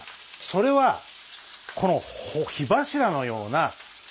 それはこの火柱のような中華。